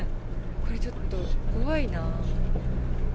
これちょっと、怖いなぁ。